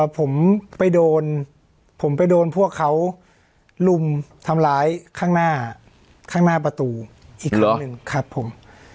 ผมไปโดนพวกเขาลุมทำร้ายข้างหน้าประตูอีกครั้งหนึ่งครับผม